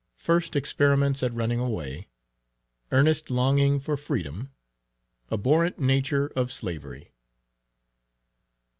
First Experiments at running away. Earnest longing for Freedom. Abhorrent nature of Slavery.